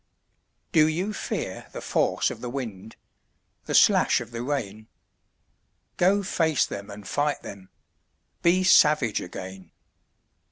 DO you fear the force of the wind, The slash of the rain? Go face them and fight them, Be savage again.